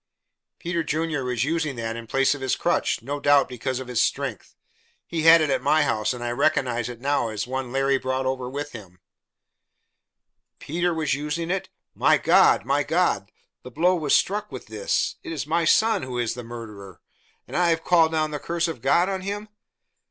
"Peter Junior was using that in place of his crutch, no doubt because of its strength. He had it at my house, and I recognize it now as one Larry brought over with him " "Peter was using it! My God! My God! The blow was struck with this. It is my son who is the murderer, and I have called down the curse of God on him?